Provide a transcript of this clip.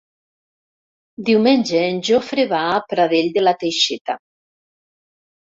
Diumenge en Jofre va a Pradell de la Teixeta.